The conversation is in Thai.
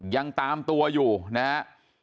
ยังตามตัวอยู่นะฮะ